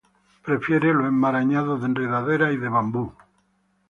Prefiere los enmarañados de enredaderas y de bambú.